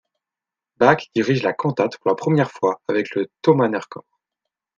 Bach dirige la cantate pour la première fois le avec le Thomanerchor.